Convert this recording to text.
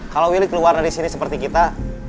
kalau willy keluar dari sini seperti kita